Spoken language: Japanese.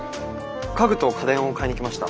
家具と家電を買いに来ました。